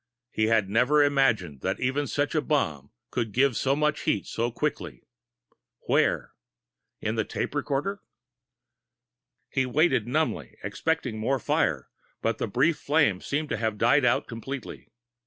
He had never imagined that even such a bomb could give so much heat so quickly. Where? In the tape recorder? He waited numbly, expecting more fire, but the brief flame seemed to have died out completely.